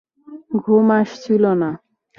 ঘুম আসছিল না।